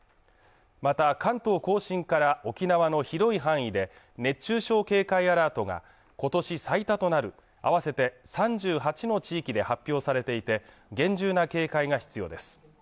また関東甲信から沖縄の広い範囲で熱中症警戒アラートが今年最多となる合わせて３８の地域で発表されていて厳重な警戒が必要です